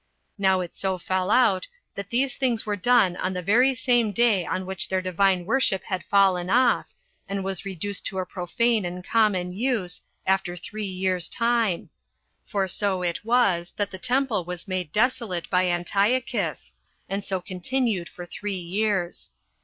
Now it so fell out, that these things were done on the very same day on which their Divine worship had fallen off, and was reduced to a profane and common use, after three years' time; for so it was, that the temple was made desolate by Antiochus, and so continued for three years.